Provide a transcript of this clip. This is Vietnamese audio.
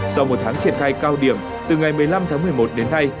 sau một tháng triển khai cao điểm từ ngày một mươi năm tháng một mươi một đến nay